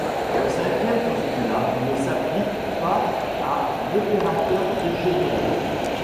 Le cinquième postulat ne s'applique pas à un opérateur dégénéré.